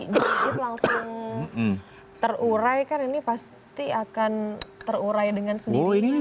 jadi langsung terurai kan ini pasti akan terurai dengan sendirinya